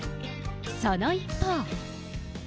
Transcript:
その一方。